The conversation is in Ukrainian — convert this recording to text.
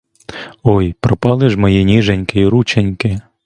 Ой пропали ж мої ніженьки й рученьки!